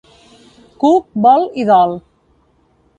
Cook vol i dol.